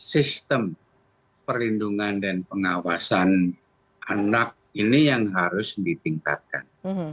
sistem perlindungan dan pengawasan anak ini yang harus ditingkatkan